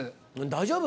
大丈夫？